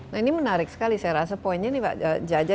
nah ini menarik sekali saya rasa poinnya nih pak jaja